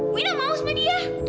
wina mau sama dia